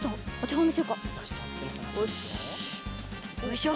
よいしょ！